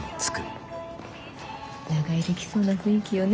長居できそうな雰囲気よね。